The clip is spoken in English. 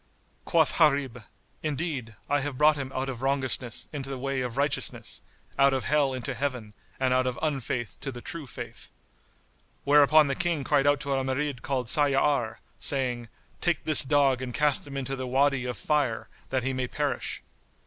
Quoth Gharib, "Indeed, I have brought him out of wrongousness into the way of righteousness, out of Hell into Heaven and out of unfaith to the True Faith." Whereupon the King cried out to a Marid called Sayyár, saying "Take this dog and cast him into the Wady of Fire, that he may perish."